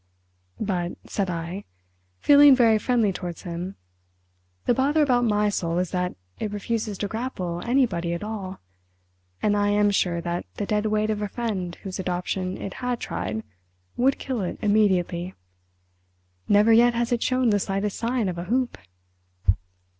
"But," said I, feeling very friendly towards him, "the bother about my soul is that it refuses to grapple anybody at all—and I am sure that the dead weight of a friend whose adoption it had tried would kill it immediately. Never yet has it shown the slightest sign of a hoop!"